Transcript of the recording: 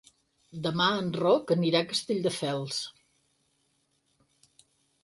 Demà en Roc anirà a Castelldefels.